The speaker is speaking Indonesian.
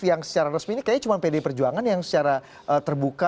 yang secara resmi ini kayaknya cuma pdi perjuangan yang secara terbuka